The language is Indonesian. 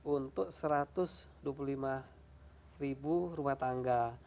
untuk satu ratus dua puluh lima ribu rumah tangga